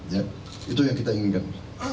ya itu yang kita inginkan